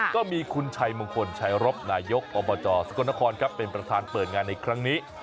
ก็มีคุณชัยมงคลชัยรบนายกอบจสกลนครครับเป็นประธานเปิดงานในครั้งนี้